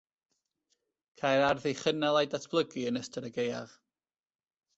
Cai'r ardd ei chynnal a'i datblygu yn ystod y gaeaf